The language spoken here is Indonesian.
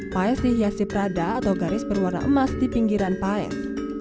paes dihiasi prada atau garis berwarna emas di pinggiran paes